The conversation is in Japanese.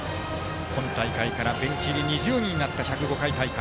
今大会からベンチ入り２０人になった１０５回大会。